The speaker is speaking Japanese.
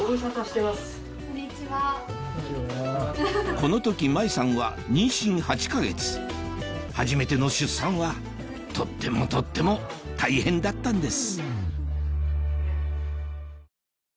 この時麻衣さんは妊娠８か月初めての出産はとってもとっても大変だったんです